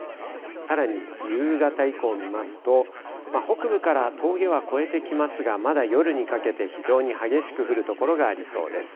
さらに夕方以降、見ますと北部から峠は越えてきますがまだ夜にかけて非常に激しく降る所がありそうです。